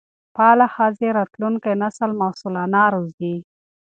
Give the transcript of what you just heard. فعاله ښځې راتلونکی نسل مسؤلانه روزي.